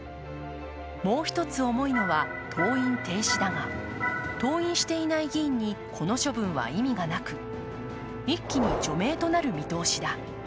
もう一つ重いのは登院停止だが、登院していない議員にこの処分は意味がなく一気に除名となる見通しだ。